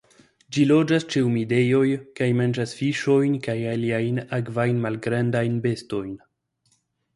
Ĝi loĝas ĉe humidejoj kaj manĝas fiŝojn kaj aliajn akvajn malgrandajn bestojn.